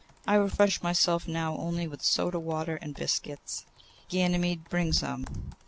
I refresh myself now only with soda water and biscuits. Ganymede, bring some.